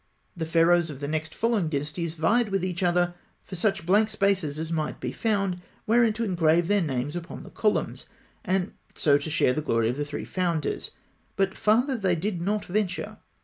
The Pharaohs of the next following dynasties vied with each other for such blank spaces as might be found, wherein to engrave their names upon the columns, and so to share the glory of the three founders; but farther they did not venture.